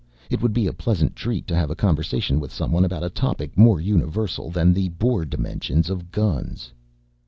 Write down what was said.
It would be a pleasant treat to have a conversation with someone about a topic more universal than the bore dimensions of guns.